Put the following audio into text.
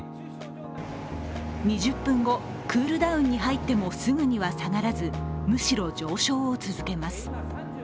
２０分後、クールダウンに入ってもすぐには下がらずむしろ上昇を続けます。